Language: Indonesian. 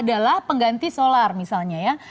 adalah pengganti solar misalnya ya